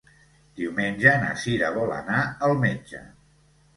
Diumenge na Sira vol anar al metge.